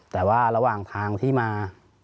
แต่ว่าระหว่างทางที่มา